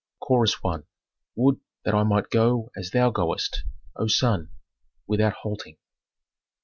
Chorus I. "Would that I might go as thou goest, O sun! without halting."